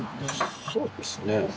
そうですね